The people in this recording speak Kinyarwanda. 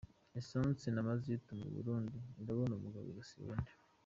Essence na Mazoutu mu Burundi irabona umugabo igasiba undi